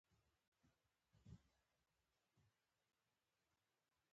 سیلاني ځایونه د افغانستان د ټولنې لپاره بنسټیز دي.